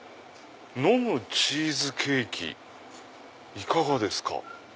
「飲むチーズケーキいかがですか？」。